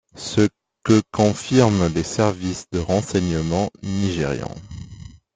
Ce que confirment les services de renseignements nigérians.